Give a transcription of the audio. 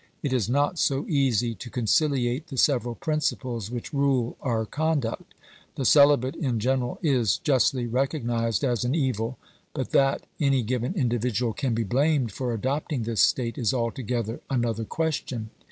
It is not so easy to conciliate the several principles which rule our conduct. The celibate in general is justly recognised as an evil, but that any given individual can be blamed for adopting this state is altogether another question.